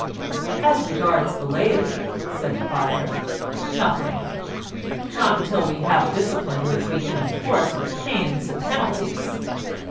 "As regards the laity," said Pryer, "nothing; not until we have a discipline which we can enforce with pains and penalties.